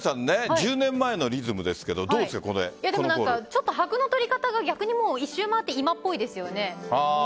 １０年前のリズムですけどちょっと拍の取り方が逆に一周回って今っぽいですよね。